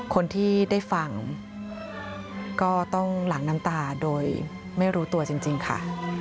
คนที่ได้ฟังก็ต้องหลั่งน้ำตาโดยไม่รู้ตัวจริงค่ะ